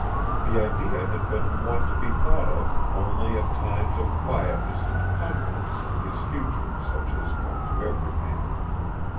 The idea had been one to be thought of only at times of quietness and confidence in his future such as come to every man.